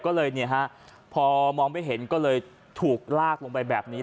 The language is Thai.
ก็เลยเนี่ยฮะพอมองไม่เห็นก็เลยถูกลากลงไปแบบนี้